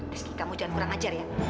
meski kamu jangan kurang ajar ya